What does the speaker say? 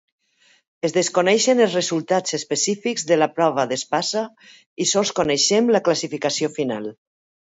Es desconeixen els resultats específics de la prova d'espasa i sols coneixem la classificació final.